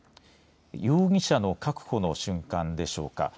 容疑者の確保の瞬間でしょうか。